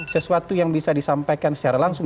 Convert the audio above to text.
sesuatu yang bisa disampaikan secara langsung